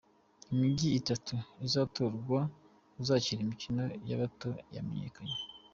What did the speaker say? Imijyi itanu izatorwamo uzakira imikino y’abato yamenyekanye